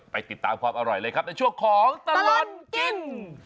ไปติดตามความอร่อยเลยครับในช่วงของตลอดกิน